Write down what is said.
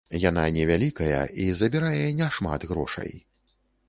Яна не вялікая і забірае не шмат грошай.